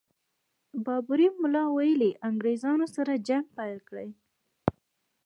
بابړي ملا ویلي انګرېزانو سره جنګ پيل کړي.